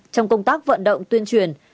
trong công tác vận động tuyên truyền